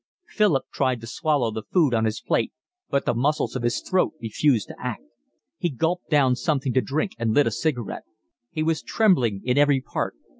Philip tried to swallow the food on his plate, but the muscles of his throat refused to act. He gulped down something to drink and lit a cigarette. He was trembling in every part.